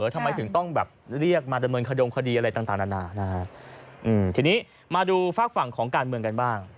ทำไมถึงต้องแบบเรียกมาดำเนินขดงคดีอะไรต่างนานานะฮะทีนี้มาดูฝากฝั่งของการเมืองกันบ้าง